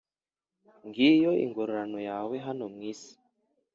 ngiyo ingororano yawe hano mu nsi